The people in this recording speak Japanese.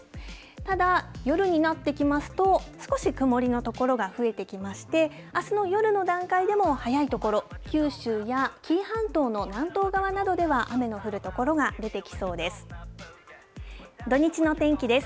ただ、夜になってきますと、少し曇りの所が増えてきまして、あすの夜の段階でも早い所、九州や紀伊半島の南東側などでは、雨の降る所が出てきそうです。